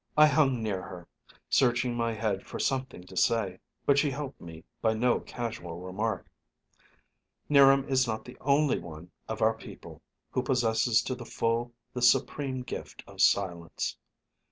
I hung near her, searching my head for something to say, but she helped me by no casual remark. 'Niram is not the only one of our people who possesses to the full the supreme gift of silence.